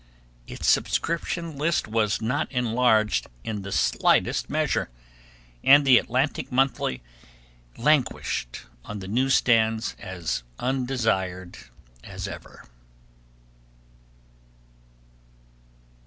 Its subscription list was not enlarged in the slightest measure, and The Atlantic Monthly languished on the news stands as undesired as ever.